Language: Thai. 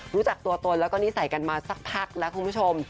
รู้จักตัวตนแล้วก็นิสัยกันมาสักพักแล้วคุณผู้ชม